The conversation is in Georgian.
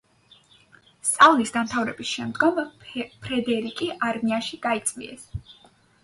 სწავლის დამთავრების შემდგომ ფრედერიკი არმიაში გაიწვიეს.